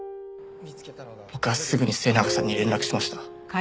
僕はすぐに末永さんに連絡しました。